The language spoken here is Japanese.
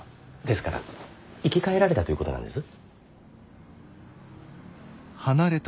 ですから生き返られたということなんです。